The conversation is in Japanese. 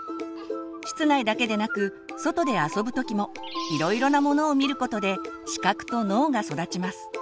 室内だけでなく外で遊ぶ時もいろいろなものを見ることで視覚と脳が育ちます。